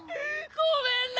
ごめんな！